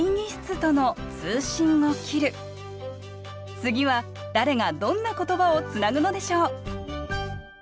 次は誰がどんなことばをつなぐのでしょう？